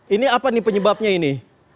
ini apa nih penyebabnya ini